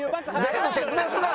全部説明すな！